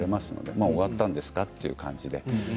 もう終わったんですか？という感じで。